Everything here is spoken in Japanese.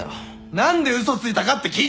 何で嘘ついたかって聞いてるんだ！